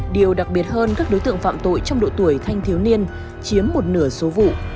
điều đặc biệt hơn các đối tượng phạm tội trong độ tuổi thanh thiếu niên chiếm một nửa số vụ